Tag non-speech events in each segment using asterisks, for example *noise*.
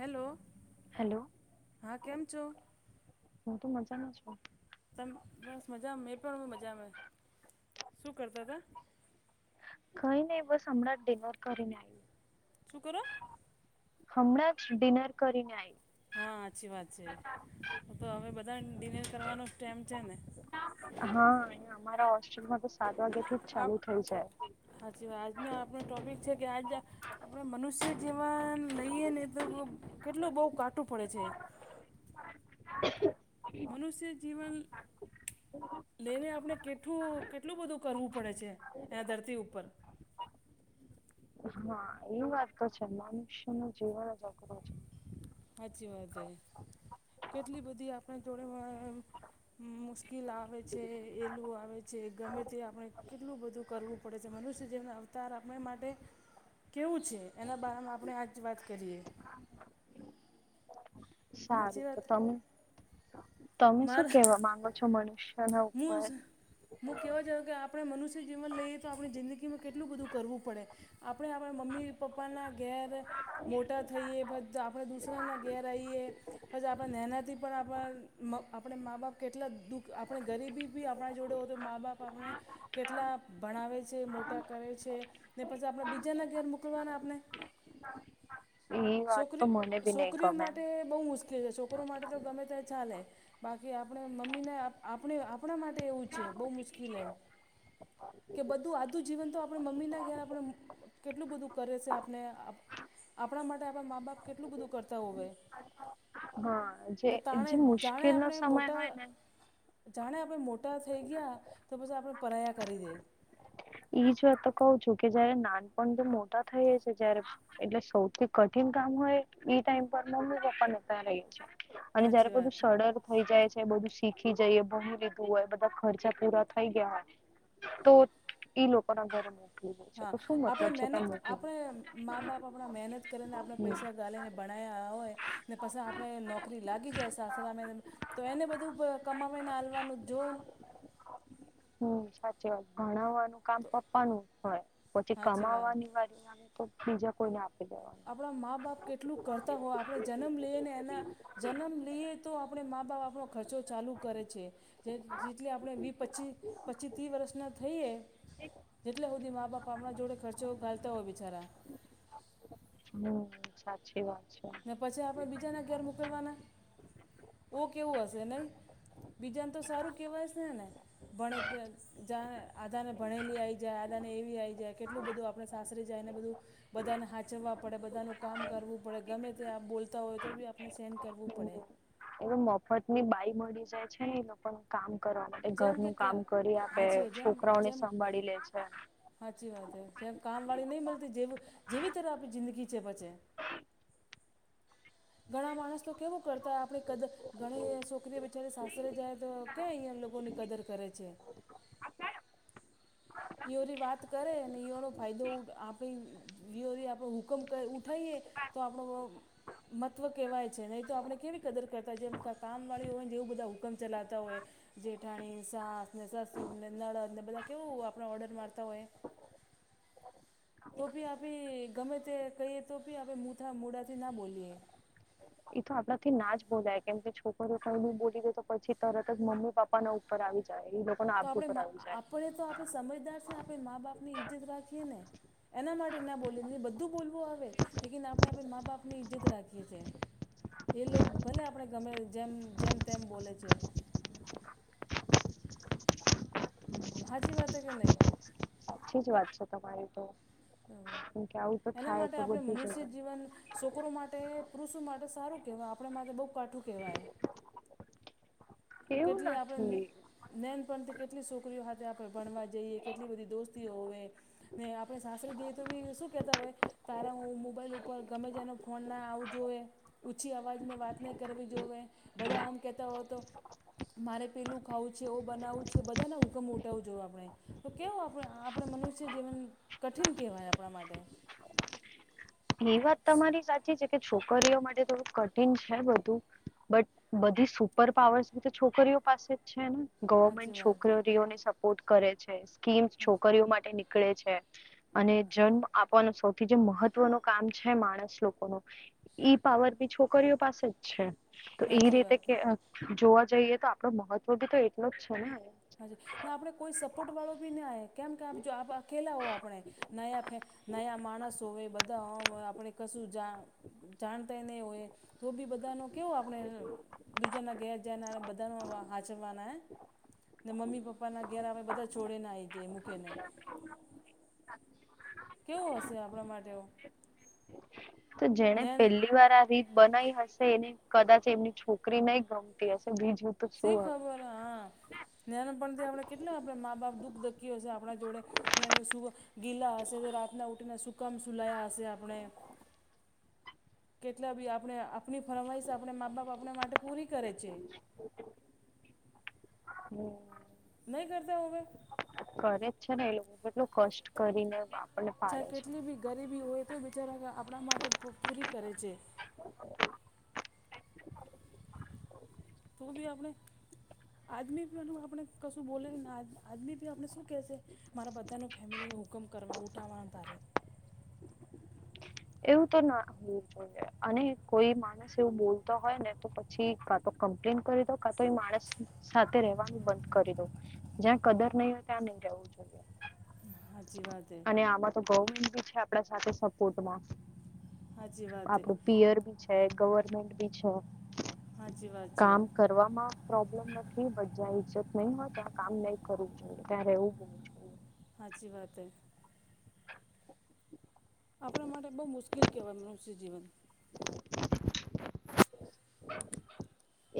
Hello hello હા કેમ છો હું તો મજામાં છું તમ બસ મજા મેં પણ બ મજામે શું કરતા હતા કઈ નઈ બસ હમણાં જ ડિનર કરીને આવી શું કરો હમણાં જ ડિનર કરીને આવી હા સાચી વાત છે, તો હવે બધા ને ડિનર કરવાનો જ ટાઈમ છે ને હા અહિયા અમારા હોસ્ટેલમાં તો સાત વાગ્યા થી જ ચાલુ થઇ જાય હાચી વાત આજનો આપનો ટોપિક છે, કે આજ આપણે મનુષ્ય જીવન લઈએ ને તો કેટલું બહુ કાટું પડે છે, *unintelligible* મનુષ્ય જીવન લઈને આપણે કેટલું કેટલું બધું કરવું પડે છે, એંયા ધરતી ઉપર હા એ વાત તો છે મનુષ્ય નું જીવન અઘરું છે સાચી વાત છે કેટલી બધી આપણે જોડે મુશ્કેલ આવે છે એલું આવે છે ગમે તે આપણે કેટલું બધું કરવુ પડે છે, મનુષ્ય જીવન નુ અવતાર આપણા માટે કેવું છે, એના બારમાં આપણે આજ વાત કરીએ સારું સાચી તો વાત તમે તમે શું કેવા માંગો છો મન મોઝ હું કેવા જઉ કે આપણે મનુષ્ય જીવન લઈએ તો આપણી જિંદગીમાં કેટલું બધું કરવું પડે આપણે આપણા મમ્મી પપ્પાનાં ઘેર મોટા થઈએ પ આપણે દુસરા ઘેર આવીએ પછ, આપણે નેના થી આપ આપે મા બાપ કેટલા દુઃખ આપ આપણે ગરીબી ભી આપણા જોડે તો મા બાપ આપણે કેટલા ભણાવે છે, મોટા કરે છે ને પછી આપણે બીજાના ઘેર મોકલવાના આપણે એ વાત તો છોકરી મને બી નહી છોકરીઓ ગમે માટે બહુ મુશ્કેલ છે છોકરીઓ માટે તો ગમે તે ચાલે બાકી આપણે મમ્મીને આપણે આપણા માટે એવું છે બહુ મુશ્કેલ કે બધું આધું જીવન તો આપણી મમ્મીના ઘેર આપણે કેટલું બધું કરે છે આપણે આપણા માટે આપણા મા બાપ કેટલું બધું કરતા હોયય હા જે ને તણે જે જાણે મુશ્કેલ નો આપણે સમય મોટા હોય ને જાણે આપણે મોટા થઈ ગયા તો પછી આપણે પરાયા કરી દઈ એઈજ વાત તો કહઉ છું કે જયારે નાનપણ તો મોટા થઈ છે જયારે એટલે સૌથી કઠિન કામ હોય ઈ ટાઈમ પર મમ્મી પપ્પા રહી છે અને સાચી જયારે વાત બધું સડર થઈ જાય છે બધું શીખી જઈએ બણું લીધું હોય બધા ખર્ચા પૂરા થઈ ગયા હોય તો ઈ લોકો ના ઘરે મૂકે હા આપણે મહેનત આપણે મા બાપ આપણા મહેનત કરીને આપણે હમ પૈસા ગાલીને ભણયા હોય ને પછી આપણે નોકરી લાગી જાય સાસરા મે તો એને બધું કમાવીને હલવાનું જોન. હમ્મ સાચી વાત ભણાવવાનું કામ પપ્પવાનું હોય પછી સાચી વાત કમાવવાની વારી આવે તો બીજા કોઈને આપ આપણા મા બાપ કેટલું કરતાં હોય આપણે જન્મ લઈએ ને એના જન્મ લઈએ તો આપણે મા બાપ આપણો ખર્ચો ચાલુ કરે છે જે જેટલે આપણે વી પચીસ પચી ત્રી વર્ષના થઈએ જેટલા સુધી મા બાપ આપણાં જોડે ખર્ચો ઘાલતા હોય બિચારા. હમ્મ સાચી વાત છે. ને પછી આપણે બીજાના ઘેર મોકલવાના ઓ કેવું હશે નહી. બીજાને તો સારું કેવાય છે ને ને ભણે કે જા આધાને ભણેલી આવી જાય આધાને એવી આવી જાય કેટલું બધું આપણે સાસરી જાય એને બધું. બધાને હાચરવા પડે બધાનું કામ કરવું. પડે ગમે ત્યાં આપ બોલતા હોય તો બી આપને સેન કરવું પડે. એવ મફત ની બાઈ મળી જાય છે એ લોકો ને. કામ કરવા માટે જેમ કે ઘરનું કામ કા કરી આપે હાચી છોકરાઓને સંભાળી લે છે. હાચી વાત હ જેમ કામવાળી નહીં મળતી જે જેવી તરફ આપણી જિંદગી છે ફછે. ઘણા માણસ તો કેવું કરતા આપે કદર ઘણી છોકરી બિચારી સાસરે સાસરે જાય તો ક્યા અહીંયા એમ લોકોની કદર કરે છે. ઇયોની વાત કરે અને ઈયોનો ફાયદો આપે. વીઓરી આપણો હુકમ કર ઉઠાવએ તો આપણો મહત્ત્વ કહેવાય છે નહીં તો આપણે કેવી કદર કરતા જેમ કામવાળી હોય ને જેવું બધા હુકમ ચલાવતા હોય. જેઠાણી, સાસ ને સસુર ને નળદ ને બધા કેવું આપ ઓર્ડર મારતા હોય. તો બી આપે ગમે તે કહીએ તો આપણે મુથા મોડાથી ના બોલીએ. એ તો આપડા થી ના જ બોલાય કેમ કે છોકરી કઈ બી બોલી દે તો પછી તરત જ મમ્મી પપા પપ્પાના ઉપર આવી જાય એ બધું. તો આપણે આપણે તો આપે સમજદાર છે આપણે મા બાપ ની ઈજ્જત રાખીએ ને. એના માટે ના બોલી બધું બોલવું આવે લેકીન આપણે આપણે મા બાપની ઈજ્જત રાખીએ છીએ. એ લોકો ભલે આપણે ગમે જેમ જેમ તેમ બોલે છે. હાજી વાત કે નહીં. સાચી જ વાત છે તમારી તો. કેમ કે આવું તો એના થાય માટે તો આપણે બધી મનુષ્ય જગ્યાએ જીવન છોકરો માટે તે પુરુષો માટે સારું કહેવાય આપણે માટે બહુ કાઠું કહેવાય. એવું કેટલી આપણે નથી નૈનપણથી કેટલી છોકરીઓ હાથે આપણે ભણવા જઈએ કેટલી બધી દોસ્તીઓ હોવે. ને આપણે સાસરે જઈએ તો બી શું કેતા હોય. તારા હું મોબાઈલ ઉપર ગમે તે એનો ફોન ના આવું જોઈએ. ઊંછી અવાજને વાત નહીં કરવી જોવે બધા આમ કહેતા હો તો. મારે પેલું ખાવું છે એ બનાવું છે બધાના હુકમ ઉઠાવું જોવે આપણે. તો કેવો આપણે આપણે મનુષ્ય જીવન કઠિન કહેવાય આપણા માટે. એ વાત તમારી સાચી છે કે છોકરીઓ માટે થોડુંક કઠિન છે બધું. બટ બધી સુપર પાવર્સ તો છોકરીઓ પાસે જ છે ને. સાચી ગવર્મેન્ટ વાત છોકરીરીઓને સપોર્ટ કરે છે સ્કીમ્સ છોકરીઓ માટે નીકળે છે. અને જન્મ આપવાનું સૌથી જે મહત્વ મહત્વનું કામ છે માણસ લોકોનું ઈ પાવર બી છોકરીઓ પાસે જ છે. તો એ સાચી રીતે વાત કે જોવા જઈએ તો આપડો મહત્વ બી તો એટલો જ છે ને. હા ના આપણે કોઈ સપોર્ટ વાળો બી નાને આવે કેમ કે આપ જો આપ અકેલા હો આપણે. નયા માણસો હોવે બધા ઓમ આપણે કશું જા જાણતા નહીં હોય તો બી બધાનો કેવું આપણે દૂજાના ઘેર જયાના બધાને હાંચવાના હે. ને મ્મી પપ્પાના ઘેર આવે બધા છોડેને આવી જાય મૂકેને. કેવું હશે આપણા માટે ઓ. તો જેને નેન પહેલી વાર આ રીત બનાઈ હશે એને કદાચ એમની છોકરી નહી ગમતી હશે બીજું તો શી શું હવે ખબર હા નાનપણથી આપડણે કેટલા આપણે મા બાપ દુઃખ દકી હો છે આપણા જોડે. સુ ગીલા હશે તો રાતના ઉઠને સુકામ સુલાયા હશે આપણે કેટલા બી આપણે આપણી ફરમાઈશ આપણે મા બાપ આપણા માટે પૂરી કરે છે. હમ. નહી કરતા હોવે. કરે જ છે ને એ લોકો કેટલું કષ્ટ કરીને આપણને ચાહે પાળે છે. કેટલી બી ગરીબી હોય તો બિચારા આપણા માટે પૂરી કરે છે. તું બી આપણે આદમી આપણે કશું બોલેને આદમી આપણે શું કેહેશે મારા બધા ન ફેમિલીને હુકમ કરવા ઉઠાવવાના તારે એવું તો ના હોવું જોઈએ અને કોઈ મા એવું બોલતો હોય ને તો પછી કા તો કમ્પ્લેન કરી દો કા તો એ માણસ સાથે રેવાનું બંધ કરી દો જ્યાં કદર નહી હોય ત્યાં નહી રવું જોઈએ. સાચચી વાત એ. અને આમાં તો ગવર્મેન્ટ બી છે આપ સાથે સપોર્ટમાં. સાચી વાત હે આપડું પીયર બી છે ગવર્મેન્ટ બી છે સાચી વાત છે કામ કર કરવામાં પ્રોબ્લેમ નથી બ જ્યાં ઈજ્જત નહીં હોય ત્યાં કામ નહી કરવું જોઈએ ત્યાં રહેવું બ હાચી વાત હ. આપણા માટે બહુ મુશ્કેલ કહેવાય મનુષ્ય જીવન.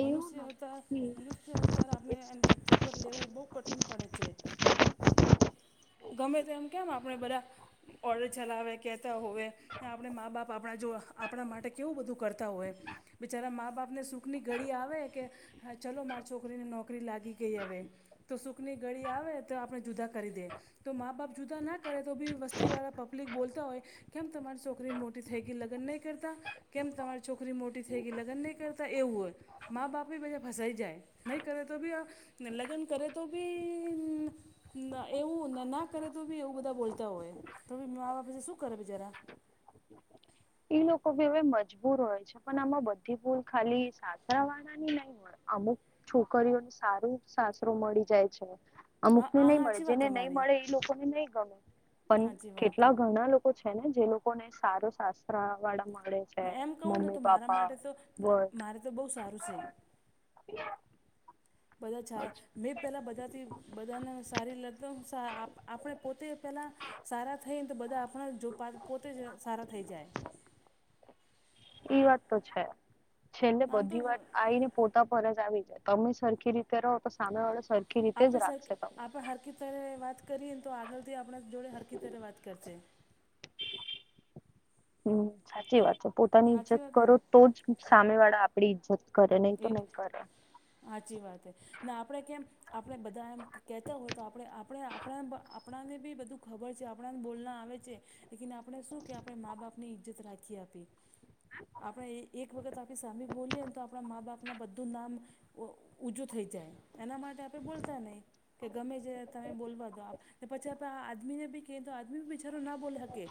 એવું મનુષ્ય અવતાર નથી મનુષ્ય અવતાર એ આપણે એની ધરતી પર લેવું બહુ કઠિન પડે છે. *inaudible* ગમે તે એમ કેમ આપણે બધા ઓડર ચલાવે કહેતા હોય આપણે મા બાપ આપણા જો આપણા માટે કેવું બધું કરતા હોય બિચારા મા બાપને સુખની ઘડી આવે કે હા ચલો મારી છોકરીને નોકરી લાગી ગઈ હવે. તો સુખની ગળી આવે તો આપણે જુદા કરી દે. તો મા બાપ જુદા ના કરે તો બી વસ્તીવાળા પબ્લિક બોલતા હોય કેમ તમારી છોકરી મોટી થઈ ગ લગ્ન નહીં કરતા. કેમ તમારી છોકરી મોટી થઈ ગઈ લગ્ન નહીં કરતા એવું હોય. માા બાપ ભી વજા ફસાાઈ જાય નહી કરે તો ભી નિ લગન કરે તો બી એવું ના કરે તો બી એવું બધા બોલતા હોય તો ભી મા બાપાસે શું કરે બિચારા. ઈ લોકો ભી હવે મજબૂર હોય છે પણ આમાં બધી ભૂલ ખાલી સાસવાળ ની નહી હો અમુક છોકરીઓને સારું સાસરો મળી જાય છે હા અમુકને આ નહી મળે હાચી વાત જેને નહી તમારી મળે એ લોકોને નહી ગમે પણ હાચી વાત કેટલા ઘણા લોકો છે ને જે લોકો ને સારો શસ્ત્ર વાળા મળે છે ને એમ કહું ને તો મમ્મી મારા પાપા માટે તો મારે તો બહુ સારું છે બધા ચ મેં પેલા બધાથી બધાને સારી લ આપણે પોતે પેલા સારા થઈ ને તો બધા આપણા જો પોતે જ સારા થઈ જાય એઈ વાત તો છે છેલે આમ તો બધી વાત આવીને પોતા પર જ આવી જાય તમે સરખી રીતે રહો તો સામે વાળો સરખી રીતે જ રાખશે તમને ત્યારે વાત કરીએને તો આગળથી આપણા જોડે હરકીતરે વાત કરશે હમ સાચી વાત છે પોતાની સાચી ઈજ્જત વાત ને કરો તો જ સામે વાળા આપણી ઈજ્જત કરે નહીં તો એ નહીં કરે સાચી વાત ને આપણે કેમ આપણે બધા એમ કહેતા હોય તો આપણે આપણે આપણે આપણાને બી બધું ખબર છે આપણાને બોલના આવે છે લને આપણે શું કે આપણે મા બાપની ઈજ્જત રાખી આપી આપણે એક વખત આપણી સામી બોલીએ ને તો આપણે આપણા મા બાપના બધું નામ ઊજું થઈ જાય એના માટે આપણે બોલતા નહીં કે ગમે છે તમે બોલવા તોો આપ પછી આદમીને બી ક તો આદમીી ના બોલે હકે.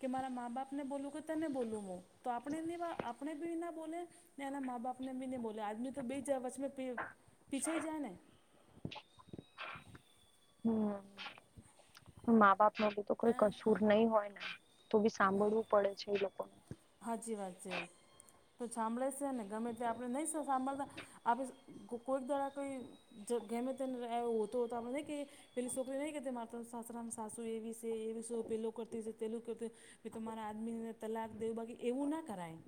કે મારા મા બાપને બોલુ કે તને બોલુ હું તો આપણે આપણે બી ના બોલે ને એના મા બાપ એમને બી ની બોલે આદમી તો બેચ વસ પીછે હ જાય ને. હમ્મ મા બાપ. એમનો બી કોઈ કસૂર નહી હોય ને તો બી સાંભળવું પડે છે એ લોકો. હાચી વાત છે તો સાંભળે છે ને ગમે તે આપણે નહી સાંભળતા આપણે કોઈક દહડા તો જ ઘેમે તને હોતો નઈ કઈએ. પેલી છોકરી નહીં કરતી માર તો સાસરામા સાસુ એવી છે એવી પેલું કરતી છે પેલું કરતી. મે તો મારા આદમીને તલાક દેવ બાકી એવું ના કરાય.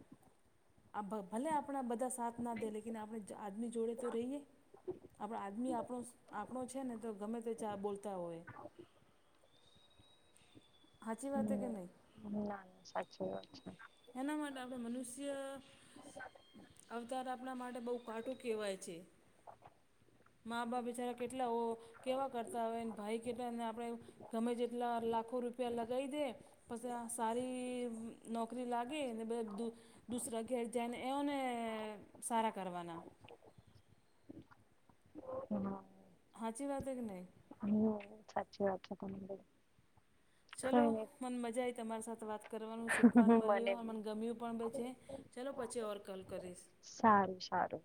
આ ભલે આપણા બધા સાથ ના દે લેકીન આપણે આદમી જોડે તો રહીએ. આપણા આદમી આપણો આપણો છે ને તો ગમે તે ચા બોલતા હોય. હાચી વાતે કે હમ નઇ. સાચી વાત છે. એના માટે આપણે મનુષ્ય અવતાર આપણા માટે બહુ કાટું કહેવાય છે. મા બાપ બચારા કેટલાઓ કેવા કરતા હોય ભાઈ કેટલા ને આપણેે. ગમે જેટલા લાખો રૂપિયા લગાવી દે પછી આ સારી નોક નોકરી લાગે ને દુસરા ઘેર જાયને એઓને સારા કરવાના. હા. હાચી વાત હે કે નહી. હમ્મ સાચી વાત છે તમે. ચલો મન મજા આઈ તમારી સાથે વાત કરવાનું શીખવાનું નઈ મળ્યું બી મને ગમ્યું પણ બછે ચાલો પછી ઓર કોલ કરીશ. સારું સારું.